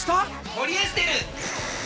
ポリエステル！